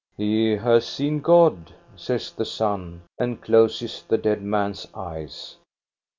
" He has seen God," says the son, and closes the dead man's eyes.